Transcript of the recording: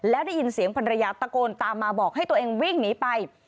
แล้วได้ยินเสียงภรรยาตะโกนตามมาบอกให้ตัวเองวิ่งหนีไป